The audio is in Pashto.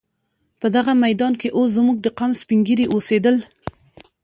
په دغه میدان کې اوس زموږ د قام سپین ږیري اوسېدل.